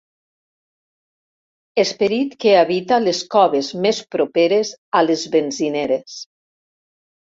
Esperit que habita les coves més properes a les benzineres.